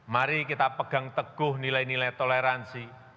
mari kita pegang teguh nilai nilai toleransi